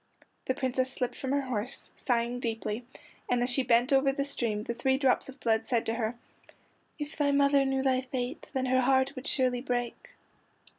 The Princess slipped from her horse, sighing deeply, and as she bent over the stream the three drops of blood said to her: "If thy mother knew thy fate, Then her heart would surely break."